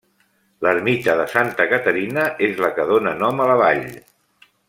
L'Ermita de Santa Caterina és la que dóna nom a la vall.